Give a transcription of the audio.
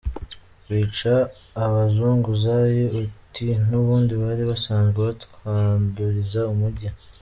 – Bica abazunguzayi uti “n’ubundi bari basanzwe batwanduriza umugi”